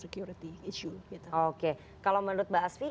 security issue gitu oke kalau menurut mbak asfi